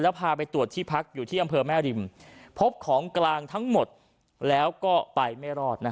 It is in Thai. พาไปตรวจที่พักอยู่ที่อำเภอแม่ริมพบของกลางทั้งหมดแล้วก็ไปไม่รอด